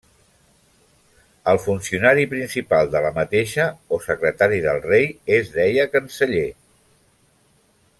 El funcionari principal de la mateixa o secretari del rei es deia canceller.